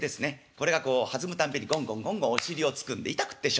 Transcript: これがこう弾むたんびにゴンゴンゴンゴンお尻を突くんで痛くってしょうがない。